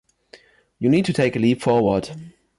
You need to take a leap forward.